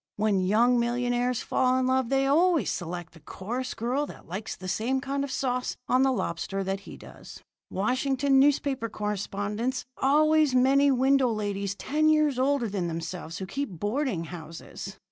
When young millionaires fall in love, they always select the chorus girl that likes the same kind of sauce on the lobster that he does. Washington newspaper correspondents always many widow ladies ten years older than themselves who keep boarding houses.